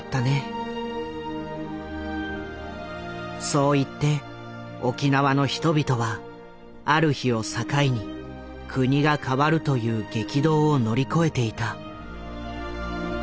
そう言って沖縄の人々はある日を境に国が変わるという激動を乗り越えていた。